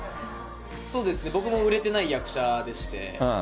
そうですね、僕も売れてない役者でして。